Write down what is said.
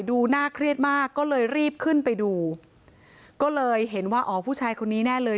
ดูน่าเครียดมากก็เลยรีบขึ้นไปดูก็เลยเห็นว่าอ๋อผู้ชายคนนี้แน่เลย